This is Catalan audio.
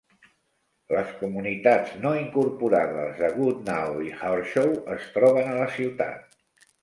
Les comunitats no incorporades de Goodnow i Harshaw es troben a la ciutat.